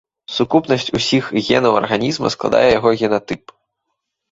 Сукупнасць усіх генаў арганізма складае яго генатып.